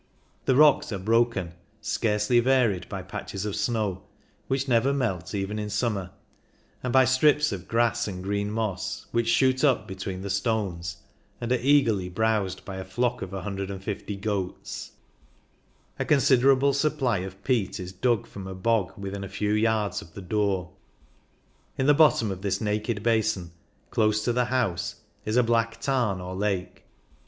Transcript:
The rocks are broken, scarcely varied by patches of snow, which never melt even in summer, and by strips of grass and green moss, which shoot up between the stones, and are eagerly 136 CYCUNG IN THE ALPS browsed by a flock of 150 goats* A con siderable supply of peat is dug from a bog within a few yards of the door. In the bottom of this naked basin, close to the house, is a black tarn, or lake.